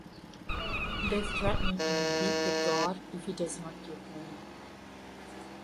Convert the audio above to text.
They threaten and beat the god if he does not give rain.